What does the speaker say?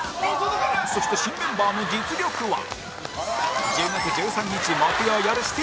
そして新メンバーの実力は？